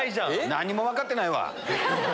何も分かってないわ！